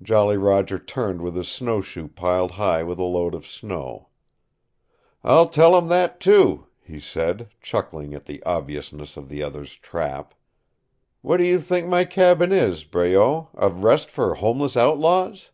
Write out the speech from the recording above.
Jolly Roger turned with his snowshoe piled high with a load of snow. "I'll tell him that, too," he said, chuckling at the obviousness of the other's trap. "What do you think my cabin is, Breault a Rest for Homeless Outlaws?"